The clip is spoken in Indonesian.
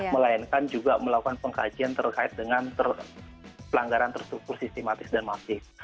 melainkan juga melakukan pengkajian terkait dengan pelanggaran terstruktur sistematis dan masif